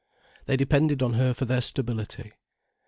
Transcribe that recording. They depended on her for their stability.